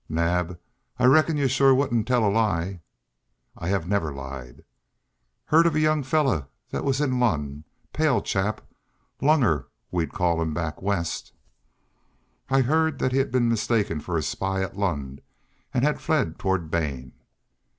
"Naab, I reckon you shore wouldn't tell a lie?" "I have never lied." "Heerd of a young feller thet was in Lund pale chap lunger, we'd call him back West?" "I heard that he had been mistaken for a spy at Lund and had fled toward Bane."